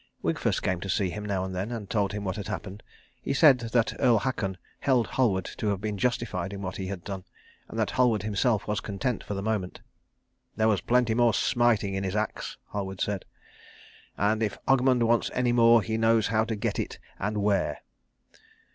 Wigfus came to see him now and then, and told him what had happened. He said that Earl Haakon held Halward to have been justified in what he had done, and that Halward himself was content for the moment. "There was plenty more smiting in his axe," Halward said, "and if Ogmund wants any more he knows now how to get it, and where."